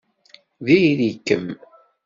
Diri-kem.